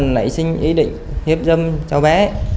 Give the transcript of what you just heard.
lấy sinh ý định hiếp dâm cháu bé